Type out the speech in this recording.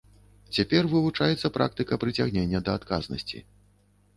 Цяпер вывучаецца практыка прыцягнення да адказнасці.